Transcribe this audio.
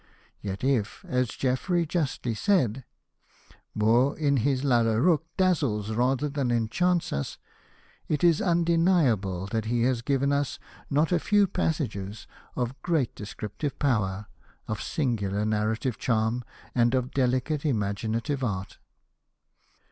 Yet if, as Jeffrey justly said, Moore in his Lalla Rookh dazzles rather than enchants us, it is undeniable that he has given us not a few passages of great descriptive power, of singular narrative charm, and of delicate imaginative art.